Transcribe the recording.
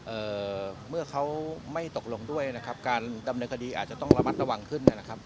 เอ่อเมื่อเขาไม่ตกลงด้วยนะครับการดำเนินคดีอาจจะต้องระมัดระวังขึ้นนะครับ